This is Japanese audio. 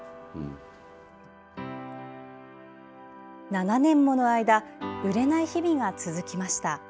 ７年もの間売れない日々が続きました。